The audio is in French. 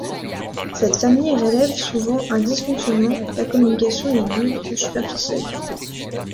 Cette famille révèle souvent un dysfonctionnement, la communication y est nulle ou superficielle.